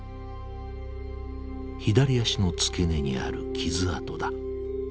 左足の付け根にある傷痕だ。